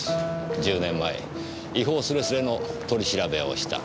１０年前違法スレスレの取り調べをした。